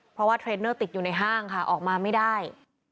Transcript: เพราะว่าเทรนเนอร์ติดอยู่ในห้างค่ะออกมาไม่ได้